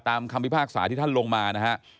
คำพิพากษาที่ท่านลงมานะฮะ